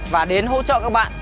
và đến hỗ trợ các bạn